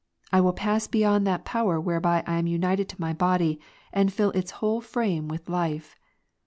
I Avill pass beyond that power whereby I am united to my body, and fill its whole frame with life. Ps. 32,9.